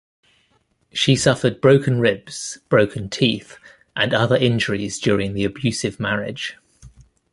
She suffered broken ribs, broken teeth, and other injuries during the abusive marriage.